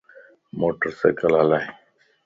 موٽر سائيڪل ھلائي